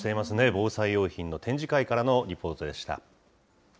防災用品の展示会からのリポートでした。